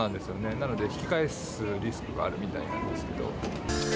なので、引き返すリスクがあるみたいなんですけど。